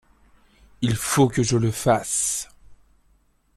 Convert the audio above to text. Il faut que je le fasse.